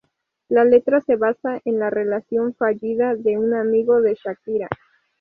La letra se basa en la relación fallida de un amigo de Shakira.